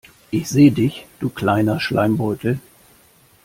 Ich seh dich du kleiner Schleimbeutel.